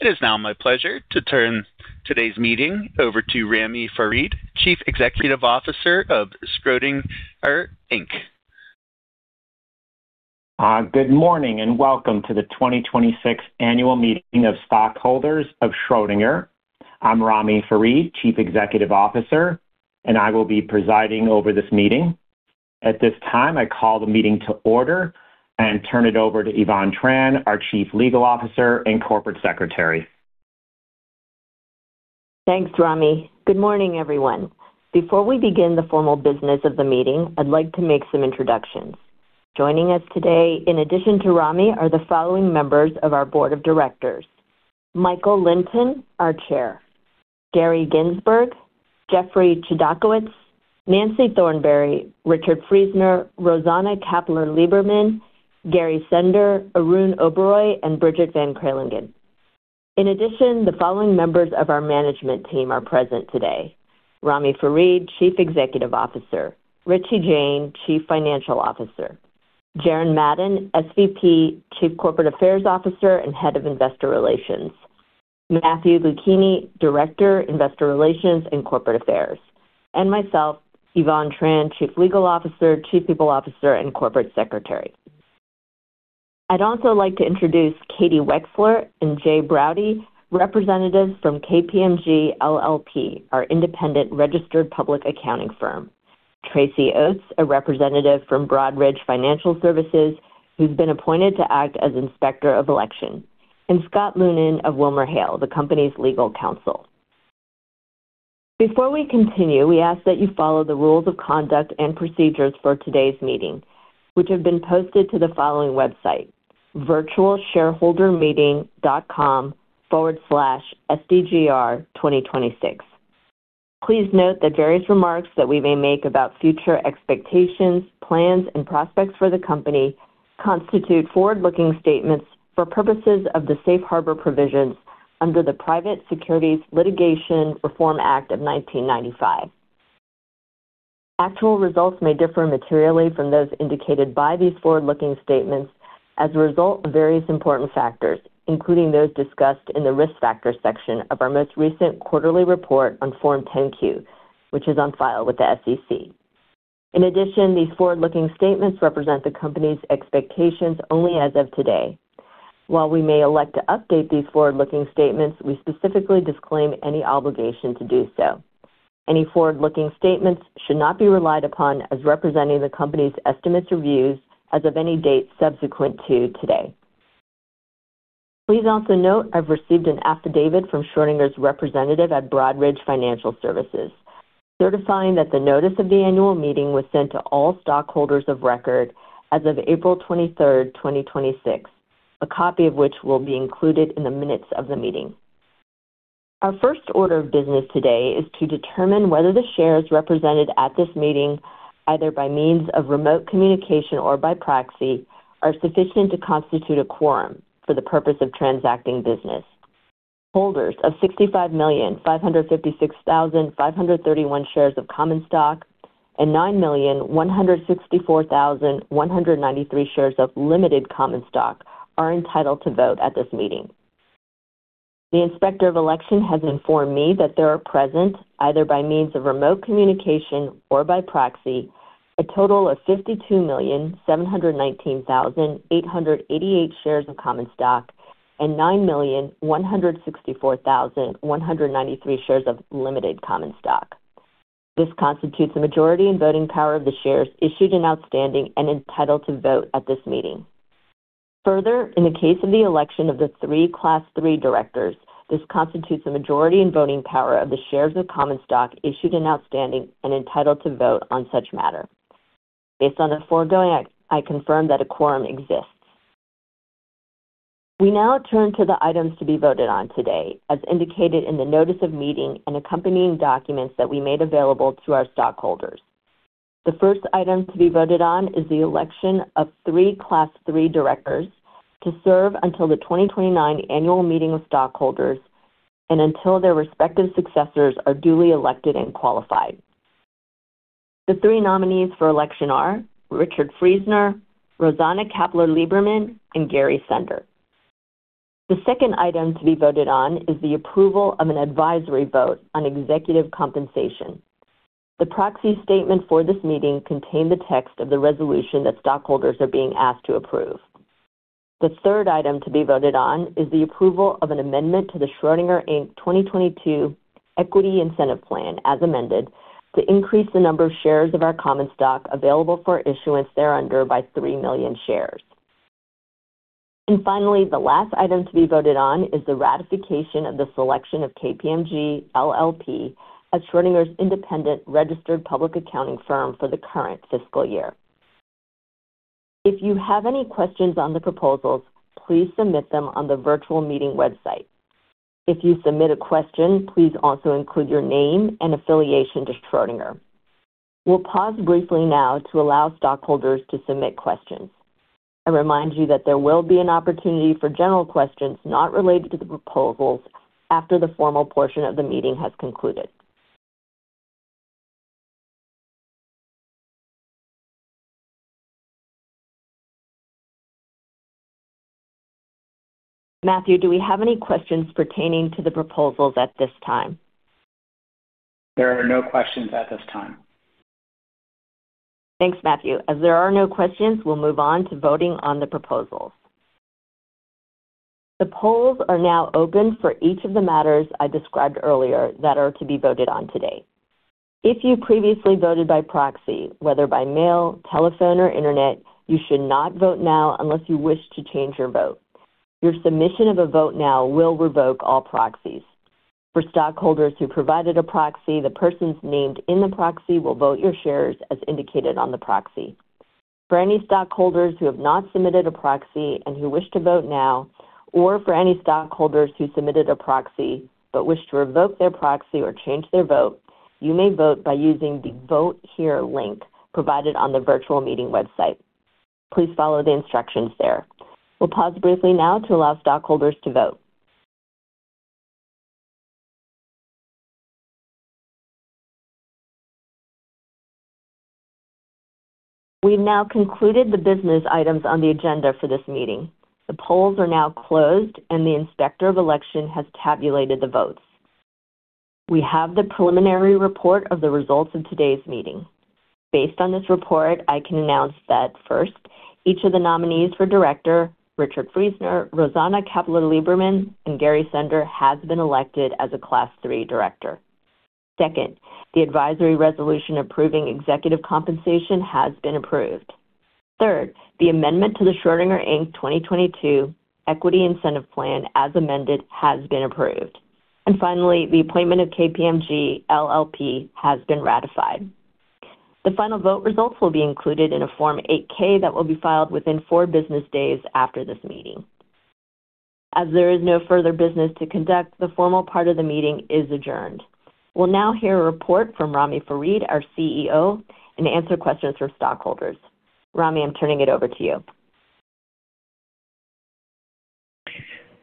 It is now my pleasure to turn today's meeting over to Ramy Farid, Chief Executive Officer of Schrödinger, Inc. Good morning, welcome to the 2026 annual meeting of stockholders of Schrödinger. I'm Ramy Farid, Chief Executive Officer, and I will be presiding over this meeting. At this time, I call the meeting to order and turn it over to Yvonne Tran, our Chief Legal Officer and Corporate Secretary. Thanks, Ramy. Good morning, everyone. Before we begin the formal business of the meeting, I'd like to make some introductions. Joining us today, in addition to Ramy, are the following members of our board of directors: Michael Lynton, our Chair; Gary Ginsberg; Jeffrey Chodakewitz; Nancy Thornberry; Richard Friesner; Rosana Kapeller-Libermann; Gary Sender; Arun Oberoi; and Bridget van Kralingen. In addition, the following members of our management team are present today: Ramy Farid, Chief Executive Officer; Richie Jain, Chief Financial Officer; Jaren Madden, SVP, Chief Corporate Affairs Officer and Head of Investor Relations; Matthew Luchini, Director, Investor Relations and Corporate Affairs; and myself, Yvonne Tran, Chief Legal Officer, Chief People Officer, and Corporate Secretary. I'd also like to introduce Katie Wechsler and Jay Broudy, representatives from KPMG LLP, our independent registered public accounting firm, Tracy Oates, a representative from Broadridge Financial Solutions, who's been appointed to act as Inspector of Election, and Scott Moonen of WilmerHale, the company's legal counsel. Before we continue, we ask that you follow the rules of conduct and procedures for today's meeting, which have been posted to the following website: www.virtualshareholdermeeting.com/sdgr2026. Please note that various remarks that we may make about future expectations, plans, and prospects for the company constitute forward-looking statements for purposes of the safe harbor provisions under the Private Securities Litigation Reform Act of 1995. Actual results may differ materially from those indicated by these forward-looking statements as a result of various important factors, including those discussed in the Risk Factors section of our most recent quarterly report on Form 10-Q, which is on file with the SEC. In addition, these forward-looking statements represent the company's expectations only as of today. While we may elect to update these forward-looking statements, we specifically disclaim any obligation to do so. Any forward-looking statements should not be relied upon as representing the company's estimates or views as of any date subsequent to today. Please also note I've received an affidavit from Schrödinger's representative at Broadridge Financial Solutions certifying that the notice of the annual meeting was sent to all stockholders of record as of April 23rd, 2026, a copy of which will be included in the minutes of the meeting. Our first order of business today is to determine whether the shares represented at this meeting, either by means of remote communication or by proxy, are sufficient to constitute a quorum for the purpose of transacting business. Holders of 65,556,531 shares of common stock and 9,164,193 shares of limited common stock are entitled to vote at this meeting. The Inspector of Election has informed me that there are present, either by means of remote communication or by proxy, a total of 52,719,888 shares of common stock and 9,164,193 shares of limited common stock. This constitutes a majority in voting power of the shares issued and outstanding and entitled to vote at this meeting. Further, in the case of the election of the three Class III directors, this constitutes a majority in voting power of the shares of common stock issued and outstanding and entitled to vote on such matter. Based on the foregoing, I confirm that a quorum exists. We now turn to the items to be voted on today, as indicated in the notice of meeting and accompanying documents that we made available to our stockholders. The first item to be voted on is the election of three Class III directors to serve until the 2029 Annual Meeting of Stockholders and until their respective successors are duly elected and qualified. The three nominees for election are Richard Friesner, Rosana Kapeller-Libermann, and Gary Sender. The second item to be voted on is the approval of an advisory vote on executive compensation. The proxy statement for this meeting contained the text of the resolution that stockholders are being asked to approve. The third item to be voted on is the approval of an amendment to the Schrödinger, Inc. 2022 Equity Incentive Plan, as amended, to increase the number of shares of our common stock available for issuance thereunder by 3 million shares. Finally, the last item to be voted on is the ratification of the selection of KPMG LLP as Schrödinger's independent registered public accounting firm for the current fiscal year. If you have any questions on the proposals, please submit them on the virtual meeting website. If you submit a question, please also include your name and affiliation to Schrödinger. We'll pause briefly now to allow stockholders to submit questions. I remind you that there will be an opportunity for general questions not related to the proposals after the formal portion of the meeting has concluded, Matthew, do we have any questions pertaining to the proposals at this time? There are no questions at this time. Thanks, Matthew. There are no questions, we'll move on to voting on the proposals. The polls are now open for each of the matters I described earlier that are to be voted on today. If you previously voted by proxy, whether by mail, telephone, or internet, you should not vote now unless you wish to change your vote. Your submission of a vote now will revoke all proxies. For stockholders who provided a proxy, the persons named in the proxy will vote your shares as indicated on the proxy. For any stockholders who have not submitted a proxy and who wish to vote now, or for any stockholders who submitted a proxy but wish to revoke their proxy or change their vote, you may vote by using the Vote Here link provided on the virtual meeting website. Please follow the instructions there. We'll pause briefly now to allow stockholders to vote. We've now concluded the business items on the agenda for this meeting. The polls are now closed, and the inspector of election has tabulated the votes. We have the preliminary report of the results of today's meeting. Based on this report, I can announce that, first, each of the nominees for director, Richard Friesner, Rosana Kapeller-Libermann, and Gary Sender, has been elected as a class three director. Second, the advisory resolution approving executive compensation has been approved. Third, the amendment to the Schrödinger, Inc. 2022 Equity Incentive Plan, as amended, has been approved. Finally, the appointment of KPMG LLP has been ratified. The final vote results will be included in a Form 8-K that will be filed within four business days after this meeting. As there is no further business to conduct, the formal part of the meeting is adjourned. We will now hear a report from Ramy Farid, our CEO, and answer questions from stockholders. Ramy, I am turning it over to you.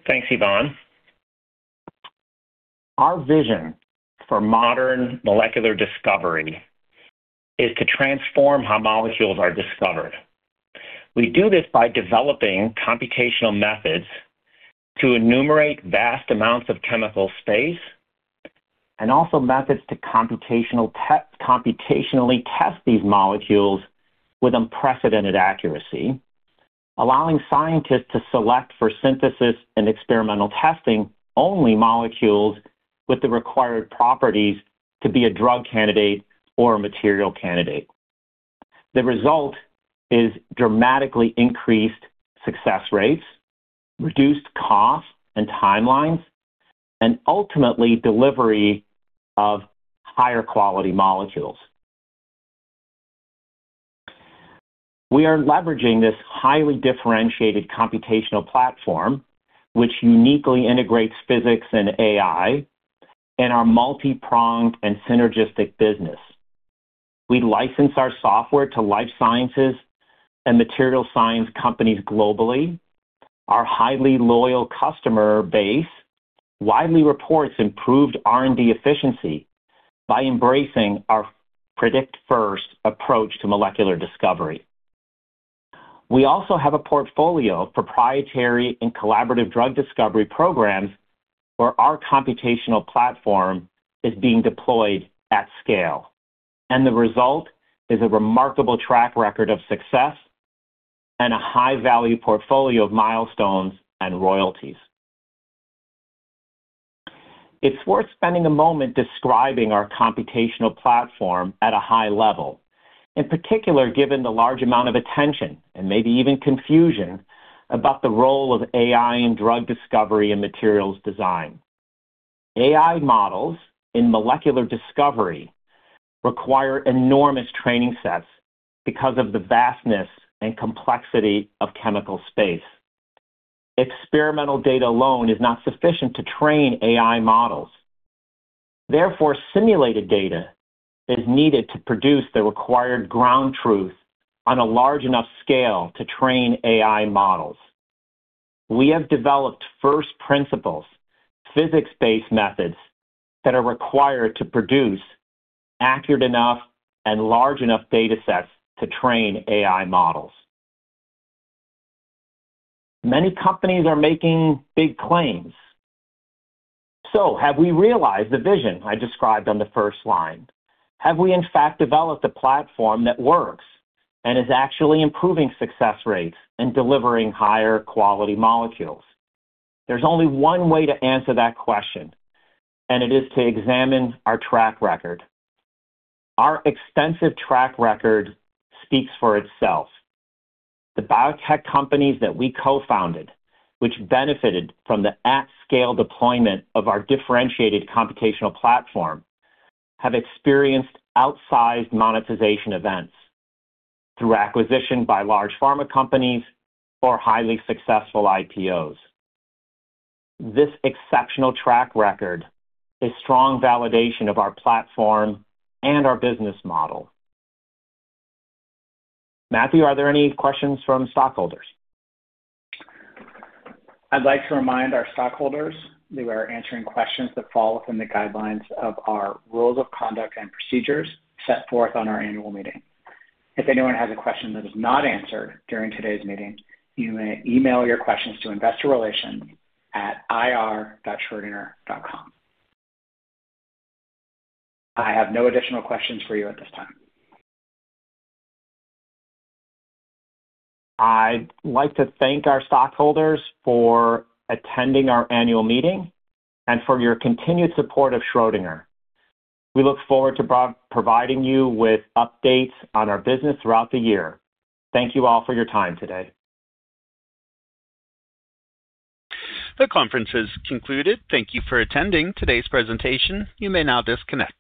Thanks, Yvonne. Our vision for modern molecular discovery is to transform how molecules are discovered. We do this by developing computational methods to enumerate vast amounts of chemical space and also methods to computationally test these molecules with unprecedented accuracy, allowing scientists to select for synthesis and experimental testing only molecules with the required properties to be a drug candidate or a material candidate. The result is dramatically increased success rates, reduced costs and timelines, and ultimately delivery of higher quality molecules. We are leveraging this highly differentiated computational platform, which uniquely integrates physics and AI in our multi-pronged and synergistic business. We license our software to life sciences and material science companies globally. Our highly loyal customer base widely reports improved R&D efficiency by embracing our predict first approach to molecular discovery. We also have a portfolio of proprietary and collaborative drug discovery programs where our computational platform is being deployed at scale, and the result is a remarkable track record of success and a high-value portfolio of milestones and royalties. It is worth spending a moment describing our computational platform at a high level, in particular, given the large amount of attention, and maybe even confusion, about the role of AI in drug discovery and materials design. AI models in molecular discovery require enormous training sets because of the vastness and complexity of chemical space. Experimental data alone is not sufficient to train AI models. Therefore, simulated data is needed to produce the required ground truth on a large enough scale to train AI models. We have developed first principles, physics-based methods that are required to produce accurate enough and large enough data sets to train AI models. Many companies are making big claims. Have we realized the vision I described on the first slide? Have we, in fact, developed a platform that works and is actually improving success rates and delivering higher quality molecules? There is only one way to answer that question, and it is to examine our track record. Our extensive track record speaks for itself. The biotech companies that we co-founded, which benefited from the at-scale deployment of our differentiated computational platform, have experienced outsized monetization events through acquisition by large pharma companies or highly successful IPOs. This exceptional track record is strong validation of our platform and our business model. Matthew, are there any questions from stockholders? I would like to remind our stockholders that we are answering questions that fall within the guidelines of our rules of conduct and procedures set forth on our annual meeting. If anyone has a question that is not answered during today's meeting, you may email your questions to investor relations at ir.schrödinger.com. I have no additional questions for you at this time. I'd like to thank our stockholders for attending our annual meeting and for your continued support of Schrödinger. We look forward to providing you with updates on our business throughout the year. Thank you all for your time today. The conference is concluded. Thank you for attending today's presentation. You may now disconnect.